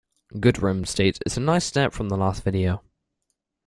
Goodrem states It's a nice step from the last video.